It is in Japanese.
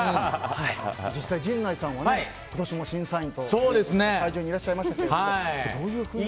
実際、陣内さんは今年も審査員ということで会場にいらっしゃいましたがどういう雰囲気で？